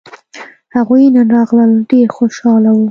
هغوی نن راغلل ډېر خوشاله وو